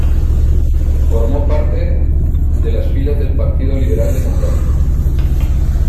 Formó parte de las filas del Partido Liberal Democrático.